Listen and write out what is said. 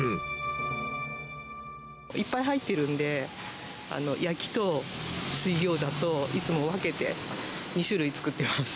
いっぱい入っているんで、焼きと水ギョーザと、いつも分けて２種類作ってます。